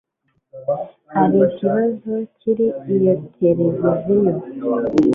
Hari ikibazo kuri iyo tereviziyo?